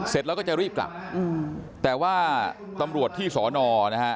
เสร็จแล้วก็จะรีบกลับแต่ว่าตำรวจที่สอนอนะฮะ